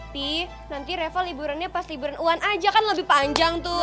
tapi nanti reva liburannya pas liburan one aja kan lebih panjang tuh